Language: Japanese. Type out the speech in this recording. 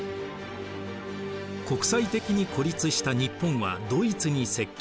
国際的に孤立した日本はドイツに接近。